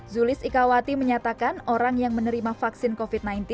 zulis ikawati menyatakan orang yang menerima vaksin covid sembilan belas